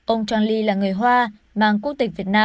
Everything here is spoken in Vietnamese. ông chang ly là người hoa mang quốc tịch việt nam